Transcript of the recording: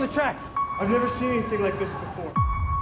saya tidak pernah melihat sesuatu seperti ini sebelumnya